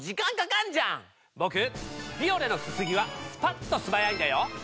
ボクビオレのすすぎはスパっと素早いんだよ！